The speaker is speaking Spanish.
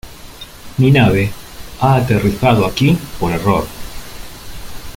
Mi nave ha aterrizado aquí por error.